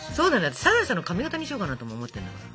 私サザエさんの髪形にしようかなとも思ってるんだから。